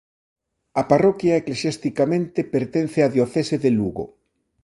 A parroquia eclesiasticamente pertence á diocese de Lugo.